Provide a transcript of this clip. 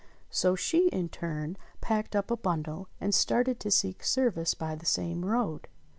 So she in her turn packed up a bundle and started to seek service by the same road.